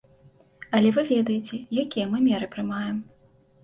Але вы ведаеце, якія мы меры прымаем.